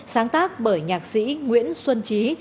sáng tác bởi nhạc sĩ nguyễn xuân trí